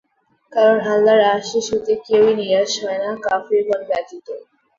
কারণ আল্লাহর আশিস হতে কেউই নিরাশ হয় না, কাফিরগণ ব্যতীত।